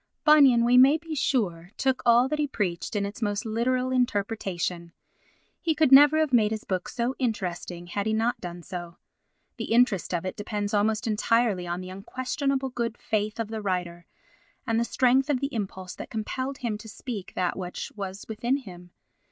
Bunyan, we may be sure, took all that he preached in its most literal interpretation; he could never have made his book so interesting had he not done so. The interest of it depends almost entirely on the unquestionable good faith of the writer and the strength of the impulse that compelled him to speak that which was within him.